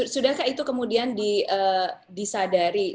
sudahkah itu kemudian disadari